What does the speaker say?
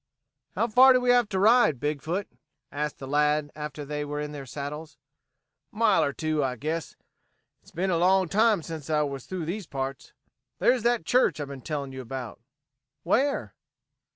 "How far do we have to ride, Big foot?" asked the lad after they were in their saddles. "Mile or two, I guess. It's been a long time since I was through these parts. There's that church I've been telling you about." "Where?"